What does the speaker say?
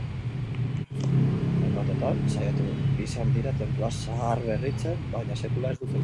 Hainbatetan saiatu izan dira tenplua zaharberritzen, baina sekula ez dute lortu.